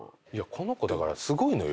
この子だからすごいのよ